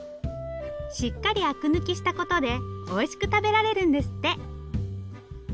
しっかりあく抜きしたことでおいしく食べられるんですって。